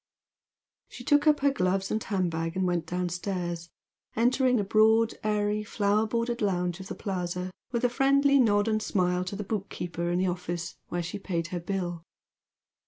She took up her gloves and hand bag and went downstairs, entering the broad, airy flower bordered lounge of the Plaza with a friendly nod and smile to the book keeper in the office where she paid her bill.